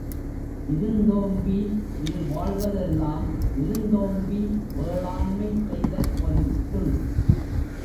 இருந்தோம்பி இல் வாழ்வதெல்லாம் விருந்தோம்பி வேளாண்மை செய்தற் பொருட்டு.